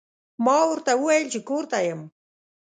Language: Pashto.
ما ورته وویل چې کور ته یم.